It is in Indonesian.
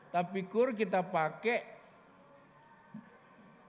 tapi kur kita pakai